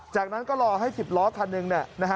จากนั้นก็รอให้๑๐ล้อคันหนึ่ง